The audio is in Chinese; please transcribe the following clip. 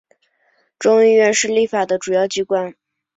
众议院是立法的主要机关。